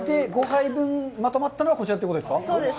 ５杯分、まとまったのがこちらということですか。